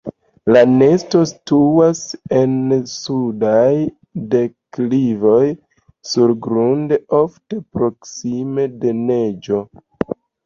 La nestoj situas en sudaj deklivoj surgrunde, ofte proksime de neĝo.